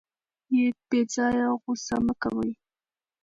بې ځایه غوسه مه کوئ.